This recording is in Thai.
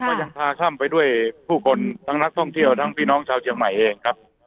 ยังพาข้ามไปด้วยผู้คนทั้งนักท่องเที่ยวทั้งพี่น้องชาวเชียงใหม่เองครับ